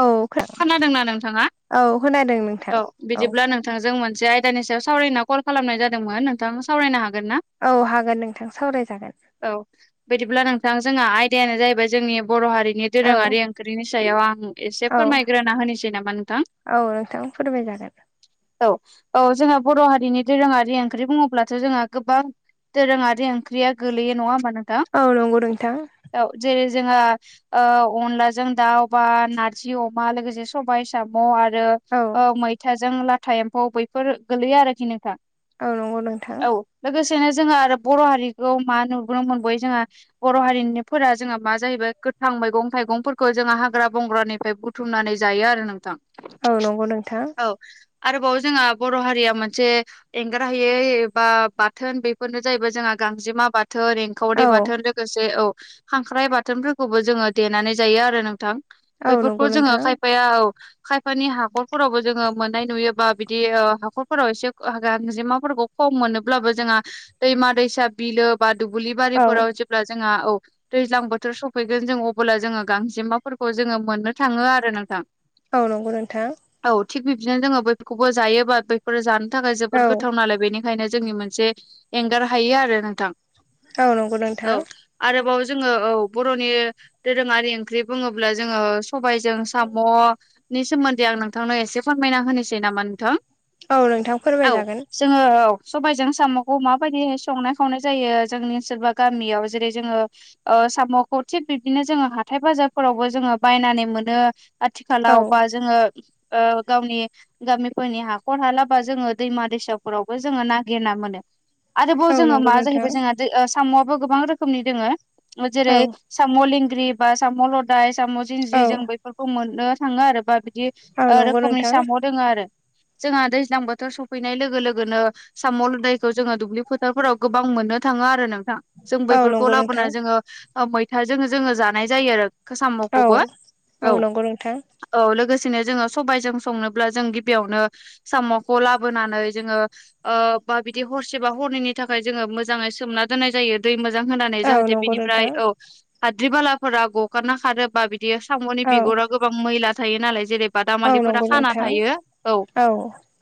औ खोनादोंना नोंथाङा औ खोनादों नोंथां औ बिदिब्ला नों नोंथांजों मोनसे आयदानि सायाव सावरायनो कल खालामनाय जादोंमोन नोंथाङा सावरायनो हागोन ना? औ हागोन नोंथां सावरायजागोन औ बिदिब्ला नोंथां जोंहा आयदायानो जाहैबाय जोंनि बर' हारिनि औ दोरोङारि ख्रिनि सायाव आं एसे औ फोरमायग्रोना होनोसै नामा नोंथां? औ नोंथां फोरमायजागोन औ औ जोंहा बर' हारिनि दोरोङारि ओंख्रि बुङोब्लाथ' जोंहा गोबां दोरोङारि ओंख्रिया गोलैयो नङा होमबा नोंथां? औ नंगौ नोंथां औ जेरै जोङो ओ अनलाजों दाउ बा नार जि अमा लोगोसे सबाय साम' आरो औ ओ मैथाजों लाथ था एम्फौ बैफोर गोलैयो आरोखि नोंथा औ नोंगौ नोंथां लोगोसेनो जोङो आरो बर' हारिखौ मा नुुबोनो मोनबयो जोङा बर' हारिनिफोरा जोंहा मा जाहैबाय गोथां मैगं थाइगंफोरखौ जोंहा हाग्रा बंग्रानिब फ्राय बुथुमनानै जायो आरो नोंथां औ नंगौ नोंथां औ आरोबाव जोंहा बर' हारिया मोनसे एंगारहायै एबा बाथोन बेफोरनो जाहैबाय जोंहा गांजेमा बाथोन एं खावरि औ बाथोन लोगोसे औ खांख्राइ बाथोनफोरखौबो जोङो देनानै जायो आरो नोंथां औ नंगौ बैफोरखौ जोङो नोंथां खायफाया औ खायफानि हाखरफोरावबो जोङो मोननाय नुयो बा बिदि ओ हाखरफोराव एसे ओ हो गांजेमाफोरखौ खम मोनोब्लाबो जोङा दैमा दैसा बिलो बा दुबुलि औ बारिफोराव जोब ब्ला जोङा औ दैज्लां बोथोर सफैगोन जों अबोला जोङो गांजेमाफोरखौ जोङो मोननो थाङो आरो नोंथां औ नंगौ नोंथां औ थिग बिब्दिनो जोङो बैखौबो जायोबा बैफोर जानो थाखाय औ जोबोद गोथाव नालाय बेनि खायनो जोंनि मोनसे एंगार हायो आरो नोंथां औ नंगौ नोंथां औ आरोबाव जोङो औ बर'नि दोरोङारि ओंख्रि बुङोब अब्ला जोङो सबायजों साम' नि सोमोन्दै आं नोंथांनो एसे फोरमायना होनोसै नामा नोंथां? औ नोंथां औ फोरमायजागोन जोङो औ सबायजों साम'खौ माबायदिहै संनाय खावनाय जायो जोंनि ओनसोल बा गामियाव जेरै जोङो ओ साम'खौ थिग बिबदिनो जोङो हाथाय बाजाब फोरावबो जोङो बायनानै मोनो औ आथिखालाव बा जोङो ओ गावनि गामिफोरनि हाखर हाला बा जोङो दैमा दैसाफोरावबो जोङो नागिरना मोनो। आरोबाव औ जोङो नंगौ मा नोंथां जाहैबाय जोंहा दै ओ साम'आबो गोबां रोखोमनि दोङो औ जेरै- साम' लेंग्रि बा साम' लदाय साम' औ जिन्ज्रि जों बैफोरखौ मोननो थाङो आरो बा बिदि औ ओ नंगौ रोखोमनि नोंथां साम' दोङो आरो जोंहा दैज्लां बोथोर सफैनाय लोगो लोगोनो साम' लदायखौ जोङो दुब्लि फोथारफोराव गोबां मोननो थाङो आरो नोंथां जों औ बैफोरखौ नंगौ नोंथां लाबोना जोङो ओ मैथाजों जोङो जानाय जायो आरो खो औ साम'खौबो औ नंगौ नोंथां औ लोगोसेनो जोङो सबायजों संनोब्ला जों गिबियावनो साम'खौ लाबोनानै जोङो ओ बा बिदि हरसे बा हरनैनि थाखाय जोङो मोजाङै सोमना दोननाय जायो दै मोजां होनानै औ जाहाथे नंगौ बेनिफ्राय नोंथां औ हाद्रि बालाफोरा गगारना खारो बा बि बियो साम'नि औ बिगुरा गोबां मैला थायो नालाय जेरै- औ बादामालिफोरा नंगौ खाना नोंथां थायो औ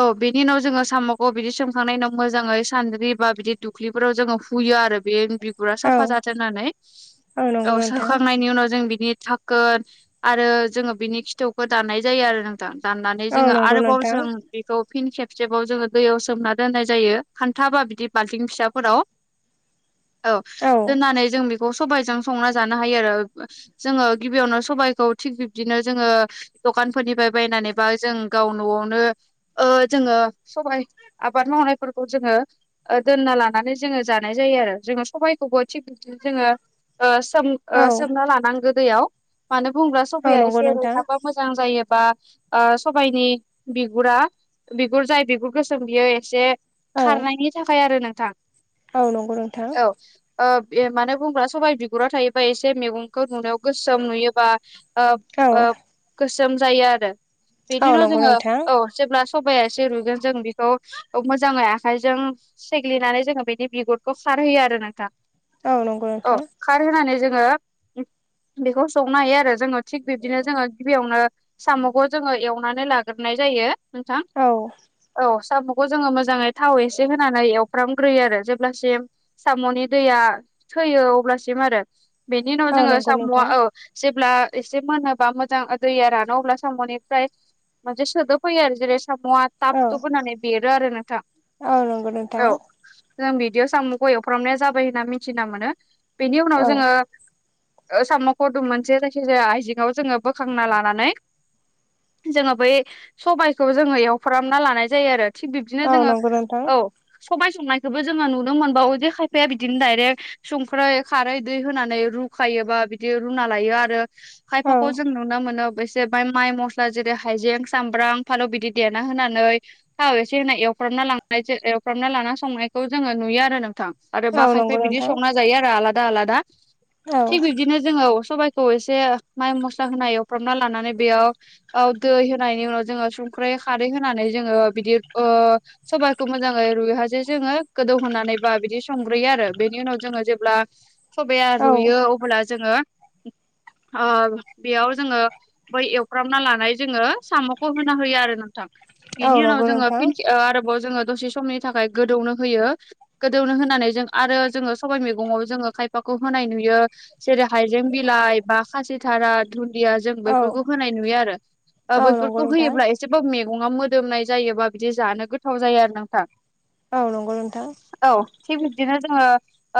औ बिनि उनाव जोङो साम'खौ बिदि सोमखांनायनि उनाव मोजाङै सानद्रि बा बिदि दुख्लिफोराव जोङो हुयो आरो। बे बिगुरा साफा औ जाथों होननानै औ नंगौ नोंथां सोखांनायनि उनाव जों बिनि थाखोन आरो जोङो बिनि खिथौखौ दानाय जायो आरो नोंथां। दाननानै औ जोङो नंगौ आरोबाव नोंथां जों बि खौ फिन खेबसेबाव जोङो दैयाव सोमना दोननाय जायो खान्था बा बिदि बाल्थिं फिसाफोराव औ दोननानै जों बेखौ सबायजों संना जानो हायो आरो जोङो गिबियावनो सबाइखौ थिग बिब्दिनो जोङो दखानफोरनिफ्राय बायनानै बा जों गाव न'आवनो ओ जोङो सबाय आबाद मावनायफोरखौ जोङो ओ दोनना लानानै जोङो जानाय जायो आरो जोङो सबायखौबो थिग जोङो ओ सोम ओ औ सोमना लानांगौ दैयाव मानो बुङोबा औ सबायआ नंगौ एसे नोंथां रुयहाबबा मोजां जायोबा ओ सबाइनि बिगुरा बिगुर जाय बिगुर गोसोम बियो एसे औ खारनायनि थाखाय आरो नोंथां। औ नंगौ नोंथां औ ओ ए मानो बुङोब्ला सबाय बिगुरा थायोबा एसे मैगंखौ नुनायाव गोसोम नुयोबा ओ औ ओ गोसोम जायो आरो। बेनि औ उनाव नंगौ जोङो नोंथां औ जेब्ला सबाया एसे रुइगोन जों बेखौ मोजाङै आखाइजों सेग्लिनानै जोङो बेनि बिगुरखौ खारहोयो आरो नोंथां। औ नंगौ औ नोंथां। खारहोनानै जोङो बेखौ संनो हायो आरो जोङो थिग बिब्दिनो जोङो गिबियावनो साम'खौ जोङो एवनानै लाग्रोनाय जायो नोंथां औ औ साम' खौ जोङो मोजाङै थाव एसे होनानै एवफ्रामग्रोयो आरो जेब्लासिम साम'नि दैया थैयो अब्लासिम आरो बेनि उनाव औ जोङो नंगौ साम'आ नोंथां औ जेब्ला एसे मोनोबा मोजां दैया रानो अब्ला साम'निफ्राय मोनसे सोदोब फैयो आरो जेरै- साम'आ टाब औ थुुब होनानै बेरो आरो नोंथां औ नंगौ नोंथां औ जों बिदियाव सामुखौ एवफ्रामनाया जाबाय होनना मिथिना मोनो बेनि उनाव औ जोङो ओ साम'खौ दुम मोनसे जायखिजाया आइजेङाव जोङो बोखांना लानानै जोङो बै सबाइखौ जोङो एवफ्रामना लानाय जायो आरो थिग बिब्दिनो औ जोङो नंगौ नोंथां औ सबाय संनायखौबो जोङो नुनो मोनबावो जे खायफाया बिदिनो दायरेक्ट संख्रै खारै दै हो नानै रुखायो बा बिदि रुना लायो आरो औ खायफाखौ जों नुना मोनो बिस जे बाय माइ मस्ला जेरै- हाइजें सामब्राम फालौ बिदि देना होनानै थाव एसे होना एवफ्रामना लांनाय एवफ्रामना लाना संनायखौ जोङो नुयो आरो नोंथां। आरो बा औ नंगौ खायफाया बिदि नोंथां संना जायो आरो आलादा आलादा औ थिग बिब्दिनो जोङो सबाइखौ एसे माइ मस्ला होना एवफ्रामना लानानै बेयाव औ दै होनायनि उनाव जोङो संख्रै खारै होनानै जोङो बिदि ओ सबाइखौ मोजाङै रुइहासे जोङो गोदौ होनोनानै बा बिदि संग्रोयो आरो बेनि उनाव जोङो जेब्ला सबाया औ रुयो अब्ला जोङो ओ बेयाव जोङो बै एवफ्रामना लानाय जोङो साम'खौ होना होयो आरो नोंथां। औ बिनि नंगौ उनाव नोंथां जोङो फिन खे-आरोबाव जोङो दसे समनि थाखाय गोदौनो होयो गोदौनो होनानै जों आरो जोङो सबाय मैगङाव जोङो खाय फाखौ होनाय नुयो। जेरै हाइजें बिलाइ बा खासिथारा दुन्दिया जों बैफोरखौ होनाय नुयो आरो। औ ओ औ नंगौ बैफोरखौ होयोब्ला नोंथां एसेबाबो मैगङाव मोदोमनाय जायो बा बिदि जानो गोथाव जायो आरो नोंथां। औ नंगौ नोंथां औ थिग बिब्दिनो जोङो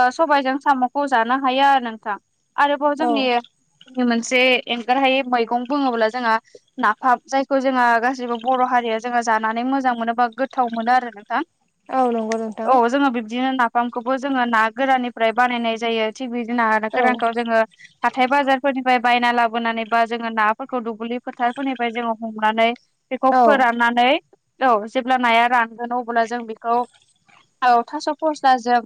ओ सबायजों साम'खौ जानो हायो आरो नोंथां। आरोबाव औ जोंनिनो मोनसे एंगारहायै मैगं बुङोब्ला जोंहा नाफाम जायखौ जोंहा गासिबो बर' हारिया जोंहा जानानै मोजां मोनो बा गोथाव मोनो आरो नोंथां। औ नंगौ नोंथां औ जोङो बिब्दिनो नाफामखौबो जोङो ना गोराननिफ्राय बानायनाय जायो। थिग बिदिनो ना गोरानखौ जोङो हाथाय बाजारफोरनिफ्राय बायना लाबोनानै बा जोङो नाफोरखौ दुब्लि फोथारफोरनिफ्राय जोङो हमनानै बेखौ औ फोराननानै औ जेब्ला नाया रानगोन अब्ला जों बेखौ औ थास' फस्ला जों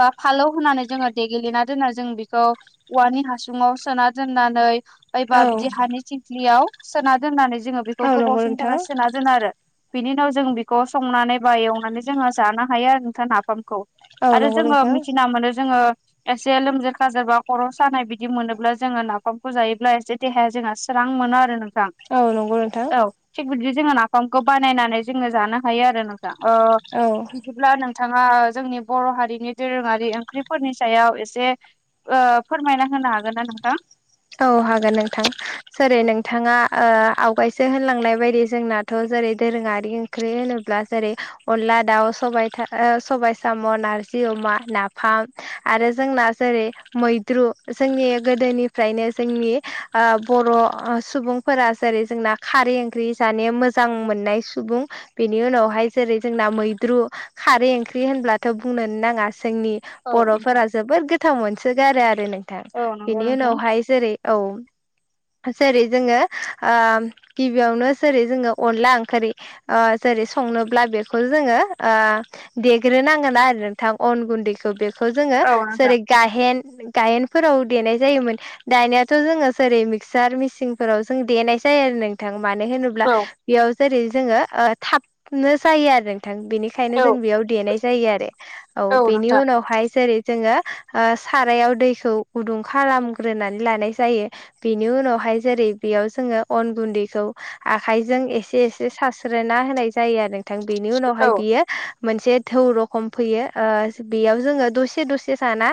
बा फालौ होनानै जोङो देग्लिना दोनना जों बेखौ औवानि हासुङाव सोना दोननानै ऐबा बिदि औ हानि थिंख्लियाव सोना दोननानै जोङो बेखौ औ गोबाव नंगौ समनि नोंथां थाखाय सोना दोनो आरो। बिनि उनाव जों बेखौ संनानै बा एवनानै जोंहा जानो हायो आरो नोंथां नाफामखौ। औ आरो नंगौ जोङो नोंथां मिथिना मोनो जोङो एसे लोमजा खाजा बा खर' सानाय बिदि मोनोब्ला जोङो नाफामखौ जायोब्ला एसे देहाया जोंहा स्रां मोनो आरो नोंथां औ नंगौ औ नोंथां थिग बिदि जोङो नाफामखौ बानायनानै जोङो जानो हायो आरो नोंथां ओ औ बिदिब्ला नोंथाङा जोंनि बर' हारिनि दोरोङारि ओंख्रिफोरनि सायाव एसे फोरमायना होनो हागोन ना नोंथां? औ हागोन नोंथां सोरै औ नोंथाङा ओ आवगायसो होनलांनाय बायदि जोंना थ' जेरै दोरोङारि ओंख्रि होनोब्ला जेरै अनला दाउ सबाय था ओ सबाय साम' नार जि अमा नाफाम आरो जोंना जेरै मैद्रु जोंनि गोदोनि फ्रायनो जोंनि ओ बर' सुबुंफोरा जेरै जोंना खारै ओंख्रि जानाया मोजां मोननाय सुबुं बेनि उनावहाय जेरै जोंना मैद्रु खारै ओंख्रि होनब्लाथ' बुंनोन नाङा जोंनि औ नोंथां। बर'फोरा जोबोद गोथाव मोनसोगारो आरो नोंथां औ नंगौ बेनि नोंथां उनावहाय जेरै औ जेरै जोङो ओ गिबियावनो जेरै जोङो अनला ओंख्रि ओ जेरै संनोब्ला बेखौ जोङो ओ देग्रो नांगोना आरो नोंथां अन गुन्दैखौ बे खौ जोङो औ नोंथां जेरै गायेन गायेनफोराव देनाय जायोमोन। दानियाथ' जोङो जेरै मिक्सार मेसिनफोराव जों देनाय जायो आरो नोंथां मानो होनोब्ला औ बेयाव जेरै जोङो ओ थाबनो जायो आरो नोंथां बेनिखा यनो औ जों बेयाव देनाय जायो आरो औ बेनि उनावहाय जेरै जोङो ओ सारायाव दैखौ गुदुं खालामग्रोनानै लानाय जायो। बेनि उनावहाय जेरै बेयाव जोङो अन गुन्दैखौ आखाइजों एसे एसे सास्रोना होनाय जायो आरो नोंथां बेनि उनावहाय औ बियो मोनसे थौ रखम फैयो ओ बेयाव जोङो दसे दसे साना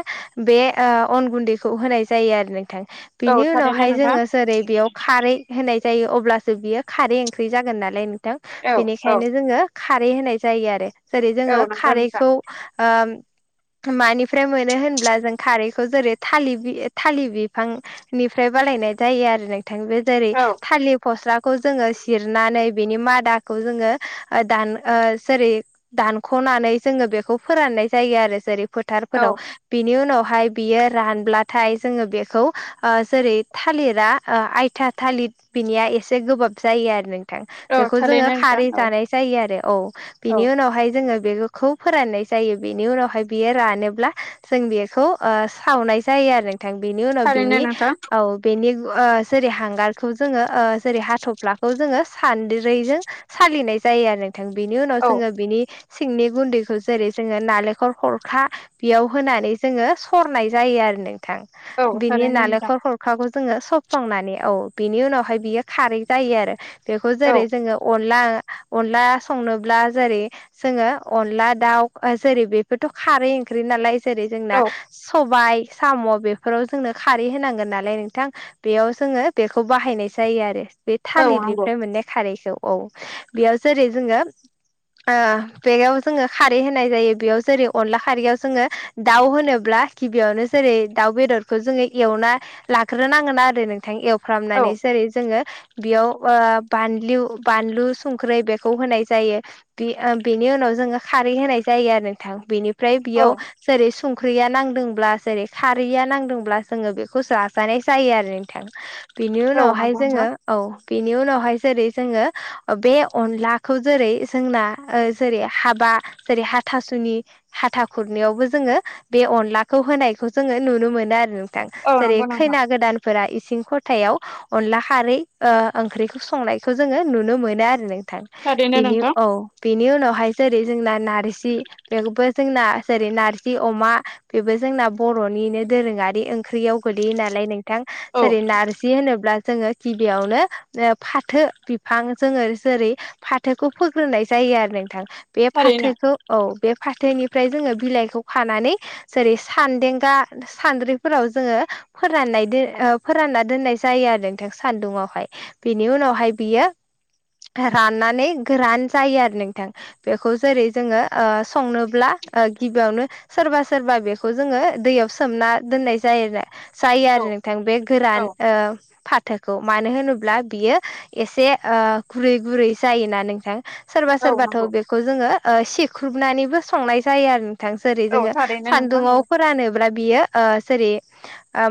बे ओ अन गुन्दैखौ होनाय जायो आरो नोंथां औ बिनि थारैनो उनावहाय नोंथां जोङो जेरै बेयाव खारै होनाय जायो अब्लासो बियो खारै ओंख्रि जागोन नालाय नोंथां औ औ बेनिखायनो जोङो खारै होनाय जायो आरो जेरै औ जोङो नंगौ नोंथां खारैखौ ओ मानिफ्राय मोनो होनब्ला जों खारैखौ जेरै थालिर बि थालिर बिफांनिफ्राय बालायनाय जायो आरो नोंथां जेरै औ थालिर फस्लाखौ जोङो सिरनानै बेनि मादाखौ जोङो ओ दान ओ जेरै दानख'नानै जोङो बेखौ फोराननाय जायो आरो जेरै औ फोथारफोराव बिनि उनावहाय बियो रानब्लाथाय जोङो बेखौ जेरै थालिरा आयथा थालिर बिनिया एसे गोबाब जायो आरो नों औ बेखौ जोङो थारैनो नोंथां खारै औ जानाय जायो आरो औ बिनि औ उनावहाय जोङो बे खौ फोराननाय जायो बेनि उनावहाय बियो रानोब्ला जों बेखौ सावनाय जायो आरो नोंथां बेनि उनाव थारैनो बिनि नोंथां औ। बेनि जेरै हांगारखौ जोङो जेरै हाथ'फ्लाखौ जोङो सानद्रैजों सालिनाय जायो आरो नोंथां बेनि उनाव औ जोङो बिनि सिंनि गुन्दैखौ जेरै जोङो नालेंखर खरखा बेयाव होनानै जोङो सरनाय जायो आरो नोंथां औ बिनि थारैनो नोंथां नालेंखर अखाखौ जोङो सौफ्लंनानै औ बिनि उनावहाय बियो खारै जायो आरो। बेखौ औ जेरै जोङो अनला अनला संनोब्ला जेरै जोङो अनला दाउ जेरै बेफोरथ' खारै ओंख्रि नालाय जेरै जोंना औ सबायाइ साम' बेफोराव जोंनो खारै होनांगोन नालाय नोंथां। बेयाव जोङो बेखौ बाहायनाय जायो आरो बे औ नंगौ थालिरनिफ्राय मोननाय खारैखौ औ बेयाव जेरै जोङो बेगयाव जोङो खारै होनाय जायो बेयाव जेरै अनला खारैयाव जोङो दाउ होनोब्ला गिबियावनो जेरै दाउ बेदरखौ जोङो एवना लाग्रोनांगोन आरो नोंथां ऐव औ खालामनानै जेरै जोङो बेयाव बानलु बानलु संख्रै बेखौ होनाय जायो। बे बेनि उनाव जोङो खारै होनाय जायो आरो नोंथां बेनि ओमफ्राय औ बेयाव जेरै संख्रिया नांदोंब्ला जेरै खारैया नांदोंब्ला जोङो बेखौसो जाजानाय जायो आरो नोंथां। बिनि औ उनावहाय नंगौ नोंथां जोङो औ बेनि उनावहाय जेरै जोङो बे अनलाखौ जेरै जोंना जेरै हाबा जेरै हाथासुनि। हाथा खुरनाययावबो जोङो बे अनलाखौ होनाय बे खौ जोङो नुनो मोनो आरो नोंथां औ जेरै नंगौ नोंथां खैना गोदानफोरा इसिं खथायाव अनला खारै ओंख्रिखौ संनायखौ जोङो नुनो मोनो आरो नोंथां। थारैनो बेनि नोंथां औ बेनि उनावहाय जेरै जोंना नारजि। बेबो जोंना जेरै नारजि अमा बेबो जोंना बर'निनो दोरोङारि ओंख्रियाव गोलैयो नालाय नोंथां औ जेरै नारजि जि होनोब्ला जोङो गिबियावनो फाथो बिफां जोङो जेरै फाथोखौ फोग्रोनाय जायो आरो नोंथां। बे थारैनो फाथोखौ औ बे फाथोनिफ्राय जोङो बिलाइखौ खानानै जेरै सान्देंगा सान्द्रिफोराव जोङो फोराननाय फोरानना दोननाय जायो आरो नोंथां सान्दुंावहाय बेनि उनावहाय बियो राननानै गोरान जायो आरो नोंथां। बेखौ जेरै जोङो संनोब्ला गिबियावनो सोरबा सोरबा बेखौ जोङो दैयाव सोमना दोननाय जायोना जायो औ आरो नोंथां बे औ गोरान फाथ खोथाखौ मानो होनोब्ला बियो एसे गुरै गुरै जायोना नोंथां। सोरबा औ सोरबाथ' नंगौ बेखौ जोङो सेख्रुबनानैबो संनाय जायो आरो बिथां सेरै औ जोङो थारैनो नोंथां औ सान्दुङाव फोरानोब्ला बियो जेरै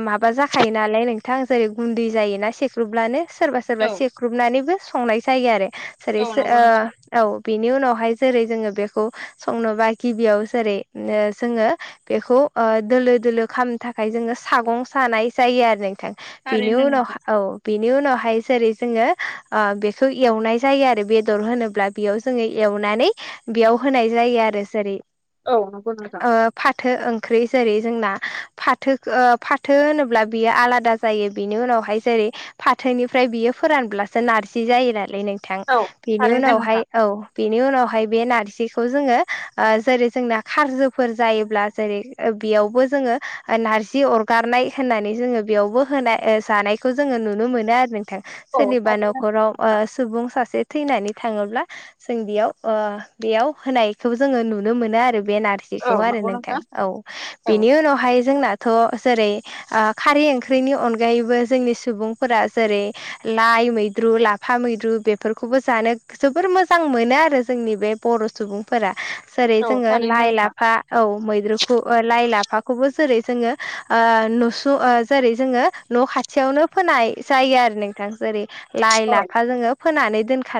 माबा जाखायो नालाय नोंथां जेरै गुन्दै जायोना सेख्लुब्लानो सोरबा सोरबा औ सेख्रुबनानैबो संनाय जायो आरो जेरै औ नंगौ नोंथां औ बिनि उनावहाय जेरै जोङो बेखौ संनोबा गिबियाव जेरै जोङो। बेखौ दोलो दोलो खालामनो थाखाय जोङो सागं सानाय जायो आरो नोंथां। बिनि थारैनो उनाव नोंथां औ बिनि उनावहाय जेरै जोङो स' एवनाय जायो आरो बेदर होनोब्ला बेयाव जोङो एवनानै बेयाव होनाय जायो आरो जेरै औ नंगौ नोंथां ओ फाथो ओंख्रि जेरै जोंना फाथो फाथो होनोब्ला बियो आलादा जायो बिनि उनावहाय जेरै फाथोनिफ्राय बियो फोरानब्लासो नारजि बिदि जायो नालाय नोंथां औ बेनि थारैनो नोंथां उनावहाय औ बेनि उनावहाय बे नारजिखौ जोङो ओ जेरै जोंना खारजुफोर जायोब्ला जेरै ओ बेयावबो जोङो ओ नारजि अरगारनाय होननानै जोङो बेयावबो होनाय जानाय खौ जोङो नुनो मोनो आरो नोंथां औ सोरनिबा थारैनो न'खराव ओ नोंथां सुबुं सासे थैनानै थाङोब्ला जों बेयाव बेयाव होनायखौबो जोङो नुनो मोनो आरो बे नारजि औ खौ आरो नंगौ नोंथां औ औ बेनि उनावहाय जोंनाथ' जेरै खारै ओं ख्रिनि अनगायैबो जोंनि सुबुंफोरा जेरै लाइ मैद द्रु लाफा मैद्रु बेफोरखौबो जानो जोबोर मोजां मोनो आरो जोंनि बे बर' सुबुं फोरा जेरै औ जोङो थारैनो लाइ नोंथां लाफा औ मैद्रुखौ लाइ लाफाखौबो जेरै जोङो नुसुं जेरै जोङो न' खा थियावनो फोनाय जायो आरो नोंथां जेरै लाइ औ लाफा जोङो फोनानै दोनखा